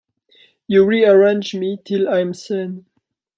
You re-arrange me 'till I'm sane.